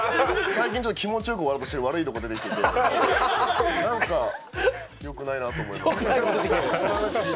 最近ちょっと気持ちよく終わろうとして悪いところ出てきてなんか、よくないなと思います。